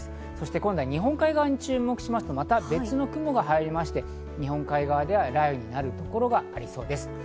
今度は日本海側に注目するとまた別の雲が入って、日本海側では雷雨になるところがありそうです。